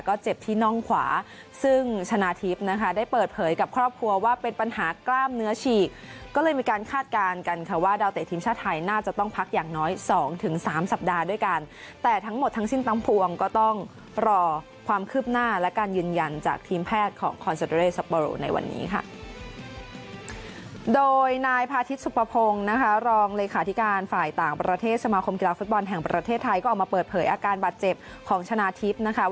ก็เจ็บที่น่องขวาซึ่งชนาทิพย์นะคะได้เปิดเผยกับครอบครัวว่าเป็นปัญหากล้ามเนื้อฉี่ก็เลยมีการคาดการณ์กันค่ะว่าดาวเตะทีมชาติไทยน่าจะต้องพักอย่างน้อยสองถึงสามสัปดาห์ด้วยกันแต่ทั้งหมดทั้งสิ้นตั้งภวงก็ต้องรอความคืบหน้าและการยืนยันจากทีมแพทย์ของในวันนี้ค่ะโดยนายพาทิ